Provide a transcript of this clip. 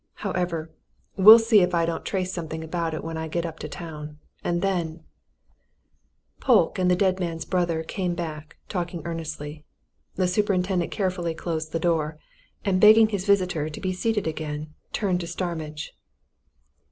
However, we'll see if I don't trace something about it when I get up to town, and then " Polke and the dead man's brother came back, talking earnestly. The superintendent carefully closed the door, and begging his visitor to be seated again, turned to Starmidge.